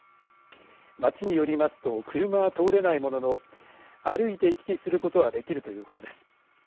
町によりますと車は通れないものの歩いて行き来することはできるということです。